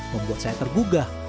membuat saya tergugah